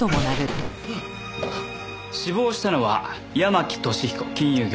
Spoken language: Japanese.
死亡したのは山木利彦金融業。